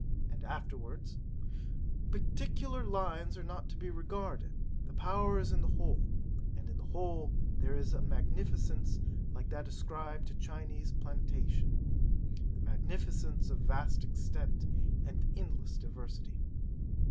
' And afterwards, 'Particular lines are not to be regarded; the power is in the whole; and in the whole there is a magnificence like that ascribed to Chinese plantation, the magnificence of vast extent and endless diversity.'